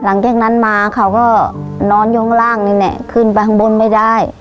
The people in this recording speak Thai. หลังจากนั้นมาเค้าก็นอนอยู่ข้างล่างเนี่ยเนี่ยขึ้นไปบนไม่ได้